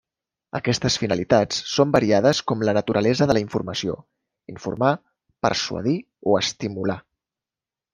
Aquestes finalitats són variades com la naturalesa de la informació—informar, persuadir o estimular.